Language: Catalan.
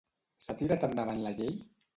S'ha tirat endavant la llei?